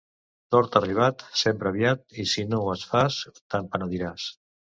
Tord arribat, sembra aviat, i si no ho fas, te'n penediràs.